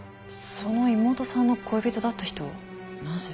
その妹さんの恋人だった人をなぜ？